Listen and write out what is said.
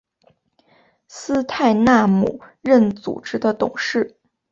斯泰纳姆任组织的董事。